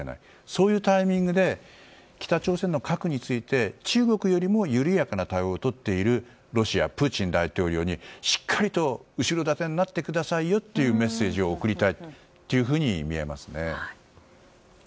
そういうタイミングで北朝鮮の核について中国よりも緩やかな対応をとっているロシアプーチン大統領にしっかりと後ろ盾になってくださいよというメッセージを送りたいというふうに見えますね。